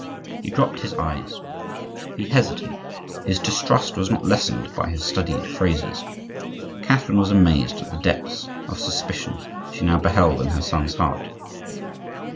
He dropped his eyes; he hesitated; his distrust was not lessened by her studied phrases. Catherine was amazed at the depths of suspicion she now beheld in her son's heart.